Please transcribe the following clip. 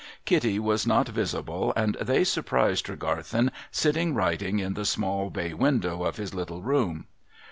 Kitty was not visible, and they surprised Tregarthen sitting writing in the small bay window of his little room.